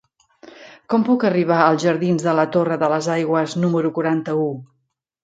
Com puc arribar als jardins de la Torre de les Aigües número quaranta-u?